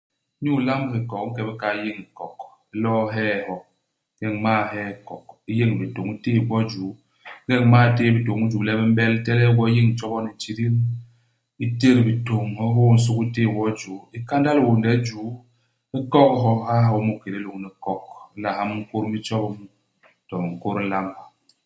Inyu ilamb hikok, u nke i bikay u yéñ hikok. U lo'o u hee hyo. Ingeñ u m'mal hee hikok, u yéñ bitôñ u téé gwo i juu. Ingeñ u m'mal téé bitôñ i juu le bi m'bel, u ntelel gwo, u yéñ ntjobo ni ntidil. U tét bitôñ, u hôô nsugi, u téé wo i juu. U kandal hiônde i juu. U kok hyo, u ha hyo mu i kédé lôñni hikok. U nla ha minkôt mi tjobi mu, to nkôt u nlamb.